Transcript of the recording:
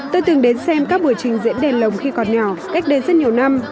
tôi từng đến xem các buổi trình diễn đèn lồng khi còn nhỏ cách đây rất nhiều năm